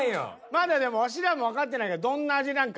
まだでもワシらもわかってないからどんな味なんか。